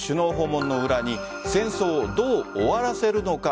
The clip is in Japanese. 相次ぐ首脳訪問の裏に戦争を終わらせるのか。